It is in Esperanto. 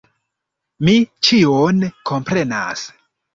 Mi ĉion komprenas.